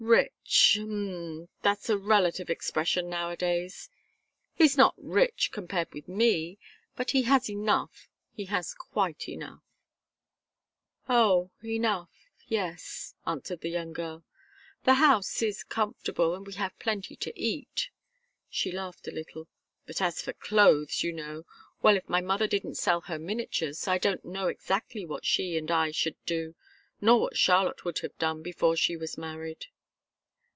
"Rich h'm that's a relative expression nowadays. He's not rich, compared with me but he has enough, he has quite enough." "Oh enough yes," answered the young girl. "The house is comfortable, and we have plenty to eat." She laughed a little. "But as for clothes, you know well, if my mother didn't sell her miniatures, I don't know exactly what she and I should do nor what Charlotte would have done, before she was married."